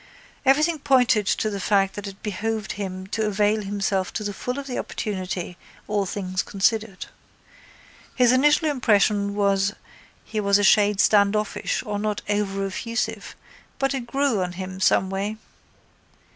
Everything pointed to the fact that it behoved him to avail himself to the full of the opportunity, all things considered. His initial impression was he was a shade standoffish or not over effusive but it grew on him someway.